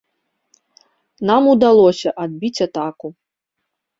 Нам удалося адбіць атаку.